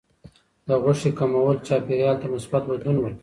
د غوښې کمول چاپیریال ته مثبت بدلون ورکوي.